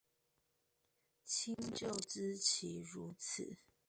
親舊知其如此